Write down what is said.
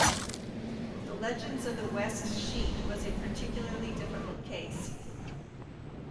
The Legends of the West sheet was a particularly difficult case.